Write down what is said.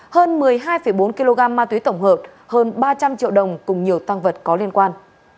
hơn một mươi hai bốn kg ma túy tổng hợp hơn ba trăm linh triệu đồng cùng nhiều tăng vật có liên quan